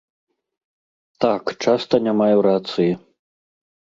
Так, часта не маю рацыі.